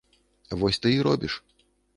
Вось ты і робіш.